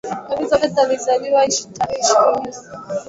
elizabeth alizaliwa tarehe ishirini na moja mwezi wa nne